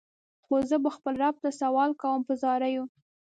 خو زه به خپل رب ته سوال کوم په زاریو.